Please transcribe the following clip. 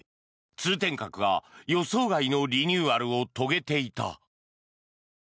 通天閣が予想外のリニューアルを遂げていた。